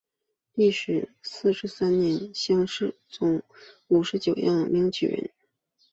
万历四十三年乡试中五十九名举人。